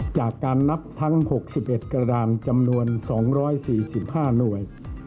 จากการนับทั้ง๖๑กระดานจำนวน๒๔๕หน่วย